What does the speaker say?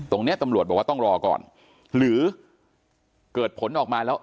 เนี้ยตำรวจบอกว่าต้องรอก่อนหรือเกิดผลออกมาแล้ว